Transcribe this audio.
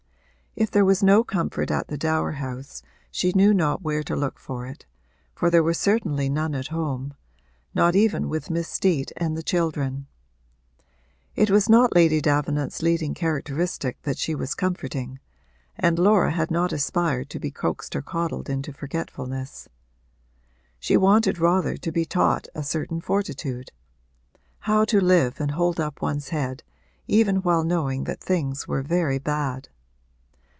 If there was no comfort at the dower house she knew not where to look for it, for there was certainly none at home not even with Miss Steet and the children. It was not Lady Davenant's leading characteristic that she was comforting, and Laura had not aspired to be coaxed or coddled into forgetfulness: she wanted rather to be taught a certain fortitude how to live and hold up one's head even while knowing that things were very bad.